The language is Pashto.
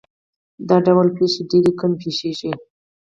دا ډول پېښې ډېرې کمې پېښېږي.